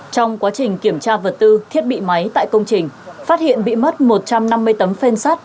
trong quá trình kiểm tra vật tư thiết bị máy tại công trình phát hiện bị mất một trăm năm mươi tấm phên sắt